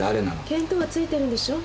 見当はついてるんでしょ。